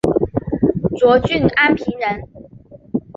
涿郡安平人。